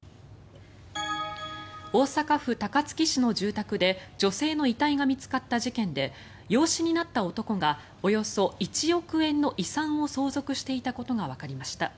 大阪府高槻市の住宅で女性の遺体が見つかった事件で養子になった男がおよそ１億円の遺産を相続していたことがわかりました。